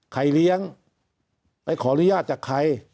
เลี้ยงไปขออนุญาตจากใคร